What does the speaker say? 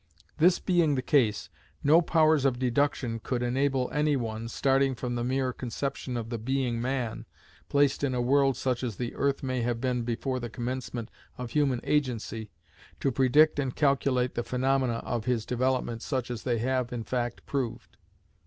This being the case, no powers of deduction could enable any one, starting from the mere conception of the Being Man, placed in a world such as the earth may have been before the commencement of human agency, to predict and calculate the phaenomena of his development such as they have in fact proved.